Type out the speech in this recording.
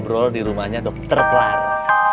dia nunggu di rumahnya dokter clark